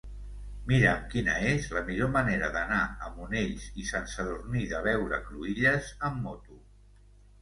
Mira'm quina és la millor manera d'anar a Monells i Sant Sadurní de l'Heura Cruïlles amb moto.